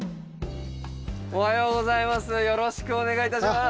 おはようございます。